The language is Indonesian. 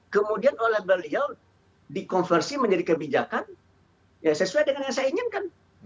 kemudian oleh beliau dikonversi menjadi kebijakan ya sesuai dengan yang saya inginkan